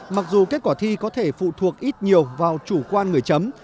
mặc dù kết quả thi có thể phụ thuộc ít nhiều vào chủ quan người chấm